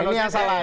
nah ini yang salah